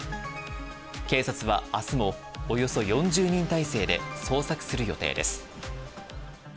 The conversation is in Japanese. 警察はあすも、およそ４０人態勢で捜索する予定です。